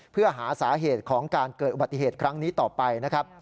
เพื่อหาสาเหตุของการเกิดอุบัติเหตุครั้งนี้ต่อไปนะครับ